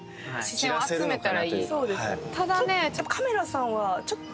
ただね